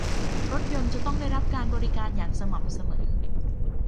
รถยนต์จะต้องได้รับการบริการอย่างสม่ำเสมอ